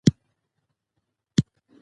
چې که يوه ښځمنه شاعري کوي